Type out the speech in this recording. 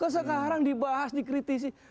sekarang dibahas dikritisi